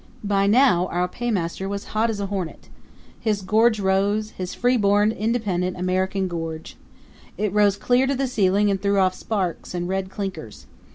By now our paymaster was as hot as a hornet. His gorge rose his freeborn, independent American gorge. It rose clear to the ceiling and threw off sparks and red clinkers.